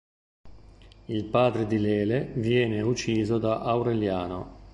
Il padre di Lele viene ucciso da Aureliano.